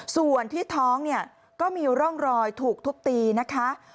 ส่วนที่ท้องเนี่ยก็มีร่องรอยถูกทุบตีนะคะ